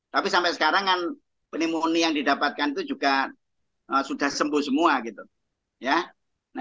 tapi sampai sekarang kan pneumonia yang didapatkan itu juga sudah sembuh semua gitu